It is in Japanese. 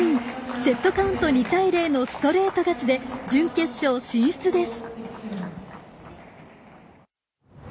セットカウント２対０のストレート勝ちで準決勝進出です。